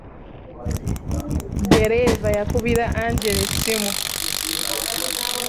Ddereeva yakubira Angela essimu.